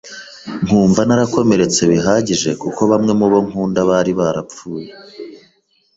nkumva narakomeretse bihagije kuko bamwe mu bo nkunda bari barapfuye.